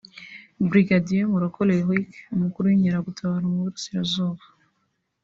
Brigadier Murokore Eric umukuru w’ inkeragutabara mu burasirazuba